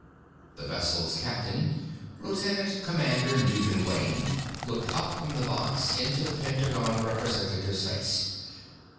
The vessel's captain, Lieutenant Commander Newton Wayne, looked up from the box into the Pentagon representative's face.